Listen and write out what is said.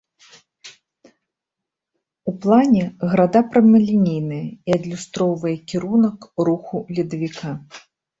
У плане града прамалінейная і адлюстроўвае кірунак руху ледавіка.